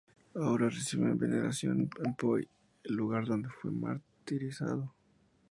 Ahora reciben veneración en Poi, el lugar donde fue martirizado.